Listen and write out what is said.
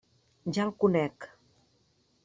Ja el conec.